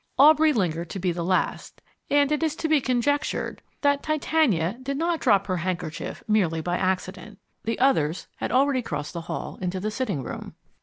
Aubrey lingered to be the last, and it is to be conjectured that Titania did not drop her handkerchief merely by accident. The others had already crossed the hall into the sitting room.